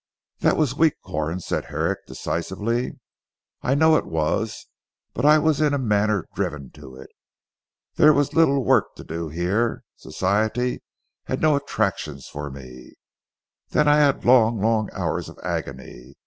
"That was weak Corn," said Herrick decisively. "I know it was but I was in a manner driven to it. There was little work to do here. Society had no attractions for me. So then I had long long hours of agony.